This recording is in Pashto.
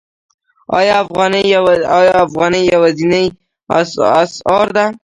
آیا افغانۍ یوازینۍ اسعار ده؟